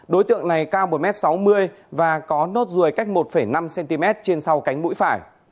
đối tượng này cao một m sáu mươi và có nốt ruồi cách một năm cm trên sau cánh mũi phải